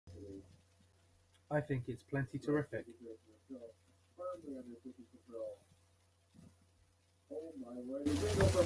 I think it's plenty terrific!